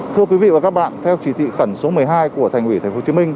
thưa quý vị và các bạn theo chỉ thị khẩn số một mươi hai của thành ủy thành phố hồ chí minh